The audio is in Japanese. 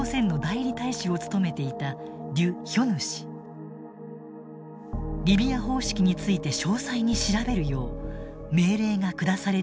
リビア方式について詳細に調べるよう命令が下されていたと明かした。